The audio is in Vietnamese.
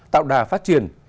tạo đà phát triển